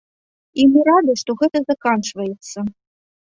І мы рады, што гэта заканчваецца.